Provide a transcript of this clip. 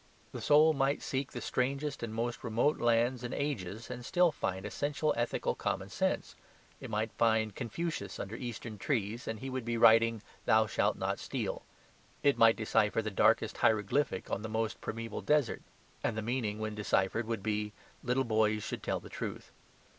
The soul might seek the strangest and most remote lands and ages and still find essential ethical common sense. It might find Confucius under Eastern trees, and he would be writing "Thou shalt not steal." It might decipher the darkest hieroglyphic on the most primeval desert, and the meaning when deciphered would be "Little boys should tell the truth."